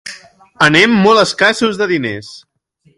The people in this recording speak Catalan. Anem molt escassos de diners.